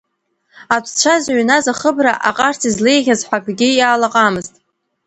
Атәцәа зыҩназ ахыбра, аҟарс излеиӷьыз ҳәа акгьы иалаҟамызт.